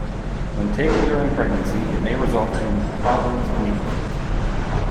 When taken during pregnancy it may result in problems in the infant.